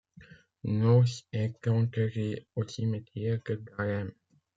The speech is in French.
Knaus est enterré au cimetière de Dahlem.